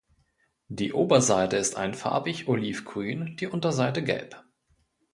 Die Oberseite ist einfarbig olivgrün, die Unterseite gelb.